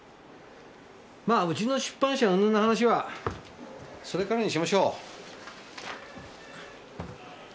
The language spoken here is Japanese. まぁうちの出版社うんぬんの話はそれからにしましょう。